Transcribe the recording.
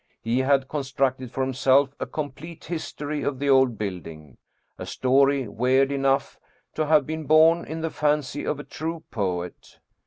He had constructed for himself a com plete history of the old building, a story weird enough to have been born in the fancy of a true poet.